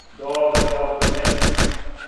Добро, добро, не.